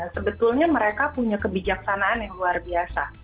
sebetulnya mereka punya kebijaksanaan yang luar biasa